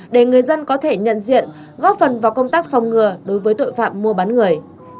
để người dân có thể nhận diện góp phần vào công tác phòng ngừa đối với tội phạm mua bán người